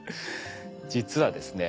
実はですね